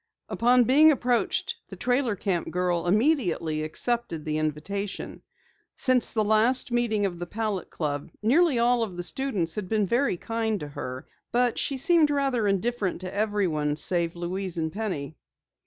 Upon being approached, the trailer camp girl immediately accepted the invitation. Since the last meeting of the Palette Club nearly all of the students had been very kind to her, but she seemed rather indifferent to everyone save Louise and Penny.